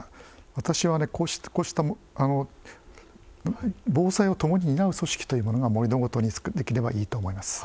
私はこうした防災をともに担う組織というものが盛土ごとにできればいいと思います。